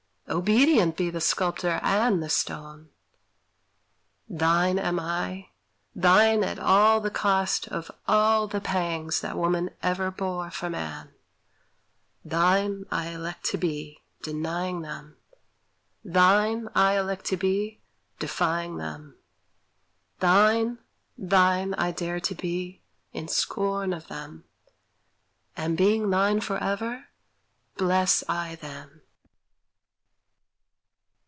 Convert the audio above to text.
Obedient be the sculptor and the stone! Thine am I, thine at all the cost of all The pangs that woman ever bore for man; Thine I elect to be, denying them; Thine I elect to be, defying them; Thine, thine I dare to be, in scorn of them; And being thine forever, bless I them!